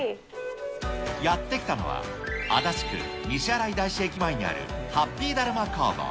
やって来たのは、足立区西新井大師駅前にあるはっぴーだるま工房。